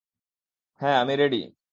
হ্যাঁ, আমি রেডি।